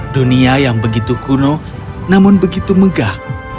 dunia yang begitu kuno namun begitu megah